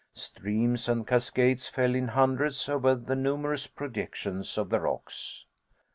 Streams and cascades fell in hundreds over the numerous projections of the rocks.